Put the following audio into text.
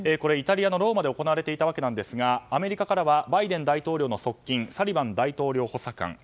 イタリアのローマで行われていたわけなんですがアメリカからはバイデン大統領の側近サリバン大統領補佐官。